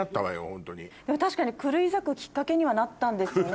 確かに狂い咲くきっかけにはなったんですよね